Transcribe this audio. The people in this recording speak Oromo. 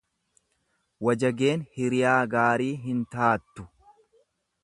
Wajageen hiriyaa gaarii hin taattu.